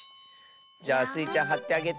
じゃあスイちゃんはってあげて。